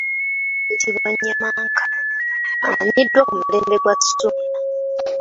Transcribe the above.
Omusajja ayitibwa Nnyamanka amanyiddwa ku mulembe gwa Ssuuna.